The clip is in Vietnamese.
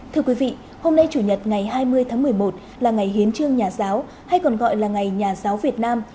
thưa quý vị hôm nay chủ nhật ngày hai mươi tháng một mươi một là ngày hiến trương nhà giáo hay còn gọi là ngày nhà giáo việt nam